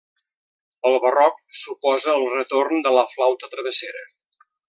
El Barroc suposa el retorn de la flauta travessera.